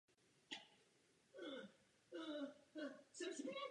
Kosti dolních končetin jsou mnohem pevnější a kvůli tomu také méně pohyblivé.